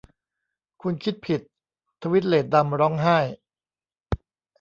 'คุณคิดผิด ! ' ทวีดเลดดัมร้องไห้